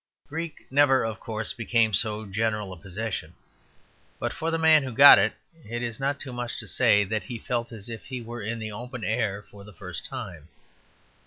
Greek never, of course, became so general a possession; but for the man who got it, it is not too much to say that he felt as if he were in the open air for the first time.